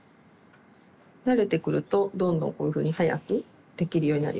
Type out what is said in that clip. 慣れてくるとどんどんこういうふうに早くできるようになります。